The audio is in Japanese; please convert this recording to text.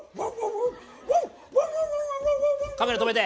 カメラ止めて。